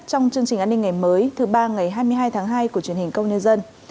trong chương trình an ninh ngày mới thứ ba ngày hai mươi hai tháng hai của truyền hình công nhân dân